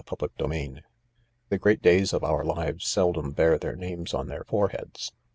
CHAPTER XV The great days of our lives seldom bear their names on their foreheads.